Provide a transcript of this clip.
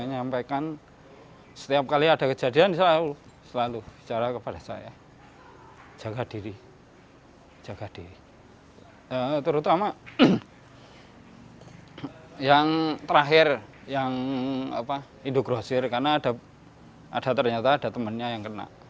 terutama yang terakhir yang indogrosir karena ada ternyata ada temannya yang kena